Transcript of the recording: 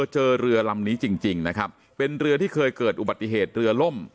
เจอเรือลำนี้จริงนะครับเป็นเรือที่เคยเกิดอุบัติเหตุเรือล่ม